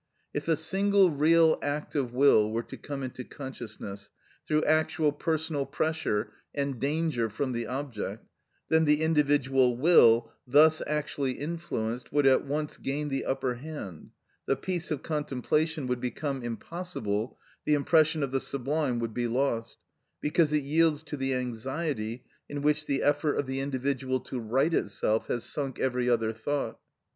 If a single real act of will were to come into consciousness, through actual personal pressure and danger from the object, then the individual will thus actually influenced would at once gain the upper hand, the peace of contemplation would become impossible, the impression of the sublime would be lost, because it yields to the anxiety, in which the effort of the individual to right itself has sunk every other thought.